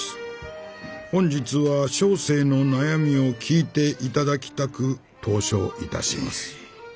本日は小生の悩みを聞いていただきたく投書いたします」。